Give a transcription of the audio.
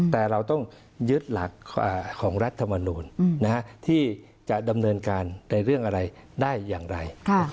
แต่เราต้องยึดหลักของรัฐมนูลที่จะดำเนินการในเรื่องอะไรได้อย่างไร